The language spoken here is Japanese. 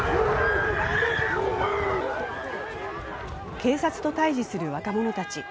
警察と対峙する若者たち。